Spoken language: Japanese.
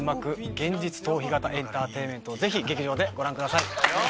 現実逃避型エンターテインメントをぜひ劇場でご覧ください。